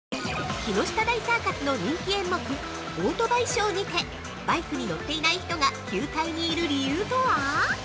◆木下大サーカスの人気演目「オートバイショー」にてバイクに乗っていない人が球体にいる理由とは？